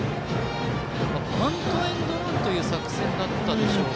バントエンドランという作戦だったんでしょうか。